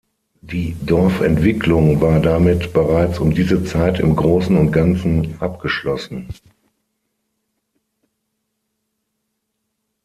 Die Dorfentwicklung war damit bereits um diese Zeit im Großen und Ganzen abgeschlossen.